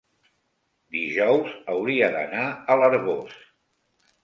dijous hauria d'anar a l'Arboç.